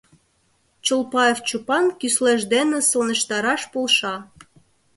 Чолпаев Чопан кӱслеж дене сылнештараш полша.